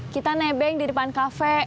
kita nebeng di depan kafe